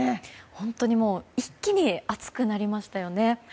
本当に一気に暑くなりましたよね。